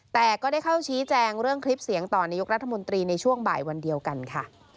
แต่ก็ได้เข้าชี้แจงเรื่องคลิปเสียงต่อนายกรัฐมนตรีในช่วงบ่ายวันเดียวกันค่ะ